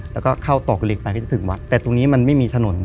แล้วก็เข้าตอกเหล็กไปก็จะถึงวัดแต่ตรงนี้มันไม่มีถนน